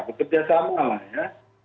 bekerja sama lah ya